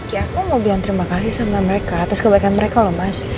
ya aku mau bilang terima kasih sama mereka atas kebaikan mereka loh mas